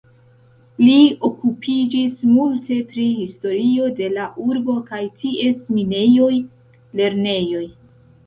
Li okupiĝis multe pri historio de la urbo kaj ties minejoj, lernejoj.